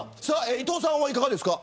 伊藤さんは、いかがですか。